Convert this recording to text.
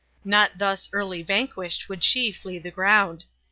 Not thus early y niquished would 6he flee the ground.